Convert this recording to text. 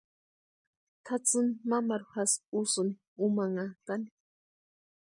Tʼatsïni mamaru jásï úsïni úmanhantʼani.